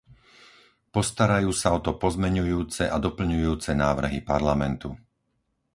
Postarajú sa o to pozmeňujúce a doplňujúce návrhy Parlamentu.